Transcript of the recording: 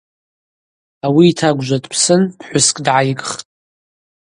Ауи йтагвжва дпсын пхӏвыскӏ дгӏайгхтӏ.